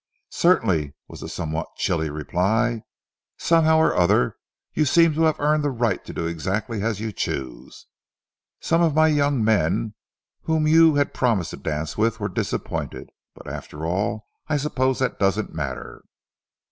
"Certainly!" was the somewhat chilly reply. "Somehow or other, you seem to have earned the right to do exactly as you choose. Some of my young men whom you had promised to dance with, were disappointed, but after all, I suppose that doesn't matter."